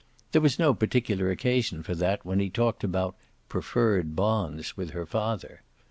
There was no particular occasion for that when he talked about "preferred bonds" with her father.